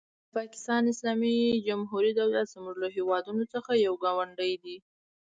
د پاکستان اسلامي جمهوري دولت زموږ له هېوادونو څخه یو ګاونډی دی.